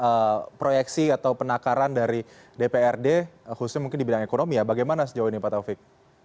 ada proyeksi atau penakaran dari dprd khususnya mungkin di bidang ekonomi ya bagaimana sejauh ini pak taufik